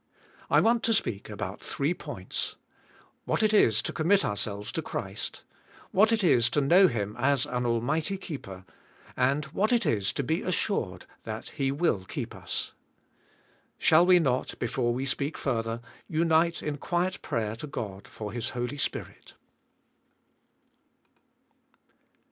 I want to speak about three points: What it is to commit ourselves to Christ; what it is to know Him as an almig hty keeper, and what it is to be assured that He will keep us. Shall we not, before we speak further, unite in quiet prayer to God for His Holy Spirit.